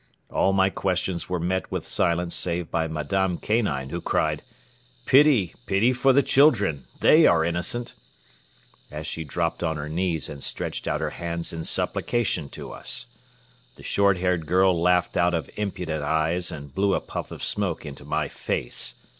All my questions were met with silence save by Madame Kanine who cried: 'Pity, pity for the children! They are innocent!' as she dropped on her knees and stretched out her hands in supplication to us. The short haired girl laughed out of impudent eyes and blew a puff of smoke into my face.